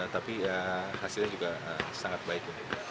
tapi ya hasilnya juga sangat baik